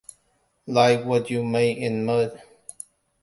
Like what you make in mud.